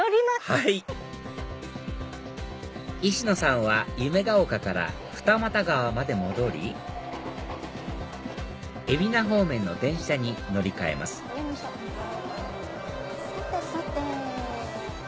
はい石野さんはゆめが丘から二俣川まで戻り海老名方面の電車に乗り換えますさてさて。